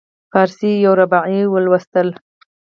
فارسي یوه رباعي ولوستله.